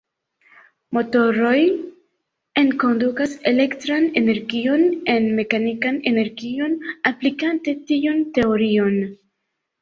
Motoroj enkondukas elektran energion en mekanikan energion aplikante tiun teorion.